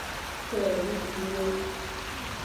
却也衣食无虑